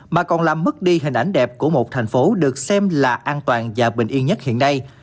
mà còn làm mất đi hình ảnh đẹp của một thành phố được xem là an toàn và bình yên nhất hiện nay